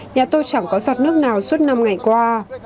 nhà tôi chẳng có giọt nước nào suốt năm ngày qua